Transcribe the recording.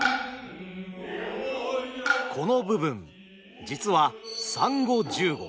この部分実は「三五十五」。